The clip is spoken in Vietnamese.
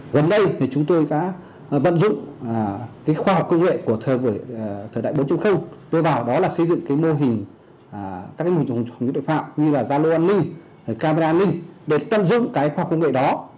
gần đây chúng tôi đã vận dụng khoa học công nghệ của thời đại bốn tôi bảo đó là xây dựng mô hình các mô hình tội phạm như gia đô an ninh camera an ninh để tăng dụng khoa học công nghệ đó